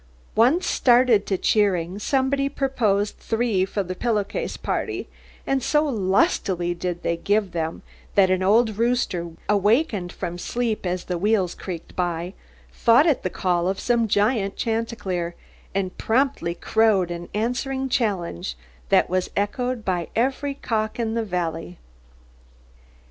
Once started to cheering, somebody proposed three for the pillow case party, and so lustily did they give them, that an old rooster, awakening from sleep as the wheels creaked by, thought it the call of some giant chanticleer, and promptly crowed an answering challenge, that was echoed by every cock in the Valley.